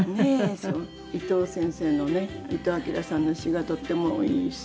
伊藤先生のね伊藤アキラさんの詞がとってもいい詞。